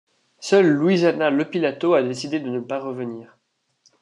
Seule Luisana Lopilato a décidé de ne pas revenir.